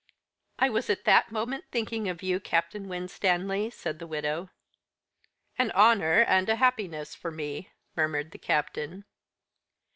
"I was that moment thinking of you, Captain Winstanley," said the widow. "An honour and a happiness for me," murmured the Captain.